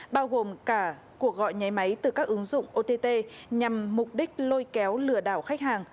bao gồm cả cuộc gọi nháy máy từ các ứng dụng ott nhằm mục đích lôi kéo lừa đảo khách hàng